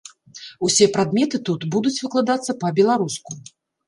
Усе прадметы тут будуць выкладацца па-беларуску.